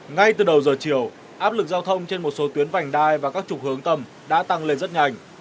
ngay từ đầu giờ chiều áp lực giao thông trên một số tuyến vành đai và các trục hướng tầm đã tăng lên rất nhanh